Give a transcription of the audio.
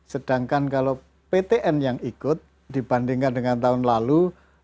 sedangkan kalau ptn yang ikut dibandingkan dengan tahun lalu